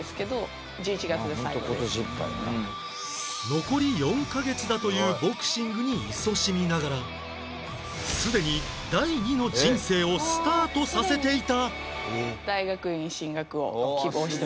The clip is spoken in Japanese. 残り４カ月だというボクシングにいそしみながらすでに第二の人生をスタートさせていた